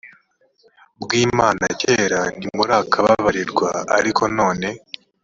bw imana kera ntimurakababarirwa ariko none